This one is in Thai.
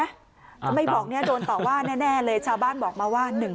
ถ้าไม่บอกเนี่ยโดนต่อว่าแน่เลยชาวบ้านบอกมาว่า